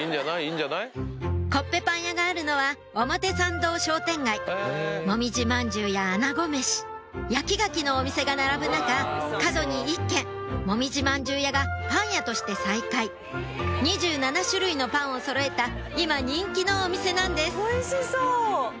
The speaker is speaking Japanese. コッペパン屋があるのはもみじ饅頭やアナゴ飯焼きガキのお店が並ぶ中角に一軒もみじ饅頭屋がパン屋として再開２７種類のパンを揃えた今人気のお店なんですおいしそう！